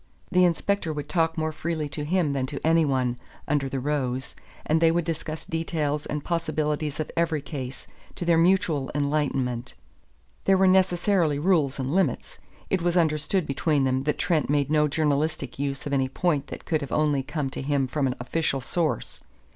The inspector would talk more freely to him than to any one, under the rose, and they would discuss details and possibilities of every case, to their mutual enlightenment. There were necessarily rules and limits. It was understood between them that Trent made no journalistic use of any point that could only have come to him from an official source.